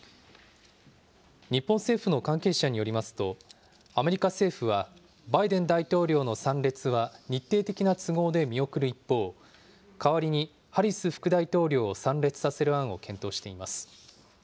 日本政府の関係者によりますと、アメリカ政府は、バイデン大統領の参列は日程的な都合で見送る一方、代わりにハリス副大統領を参列させる案を検討しています。